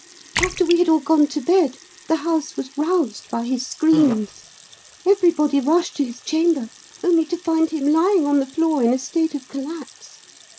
After we had all gone to bed, the house was roused by his screams. Everybody rushed to his chamber, only to find him lying on the floor in a state of collapse.